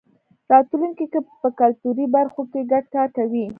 راتلونکی کې به کلتوري برخو کې ګډ کار کوی.